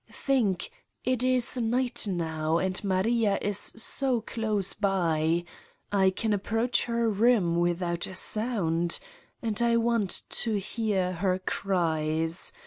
Think: it is night now and Maria is so close by. I can ap proach her room without a sound. ... and I want to hear her cries